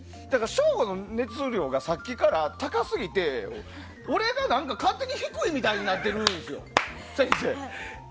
省吾の熱量がさっきから高すぎて俺が、勝手に低いみたいになっているんです、先生。